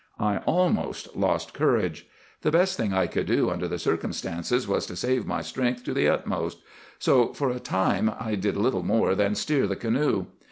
I almost lost courage. The best thing I could do under the circumstances was to save my strength to the utmost; so for a time I did little more than steer the canoe.